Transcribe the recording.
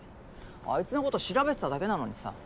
あいつのこと調べてただけなのにさ。